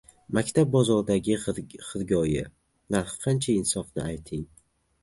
«Maktab bozori»dagi xirgoyi: Narxi qancha insofni, ayting...